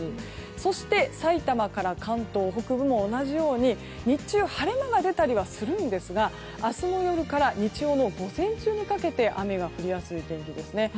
そして、埼玉から関東北部も同じように日中、晴れ間が出たりはするんですが明日の夜から日曜の午前中にかけて雨が降りやすい天気ですね。